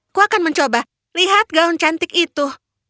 aku akan mencoba lihat gaun cantik itu